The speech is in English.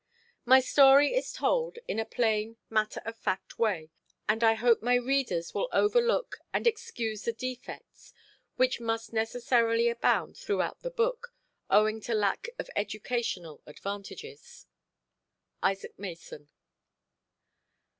My story is told in a plain matter of fact way, and I hope my readers will overlook and excuse the defects which must necessarily abound throughout the book, owing to lack of educational advantages. ISAAC MASON.